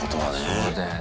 そうだよな。